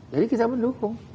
jadi kita mendukung